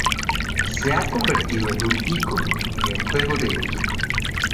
Se ha convertido en un icono en el juego del equipo.